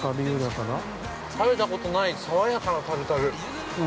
食べたことない爽やかなタルタル。